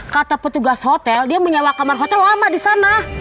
kata petugas hotel dia menyewa kamar hotel lama di sana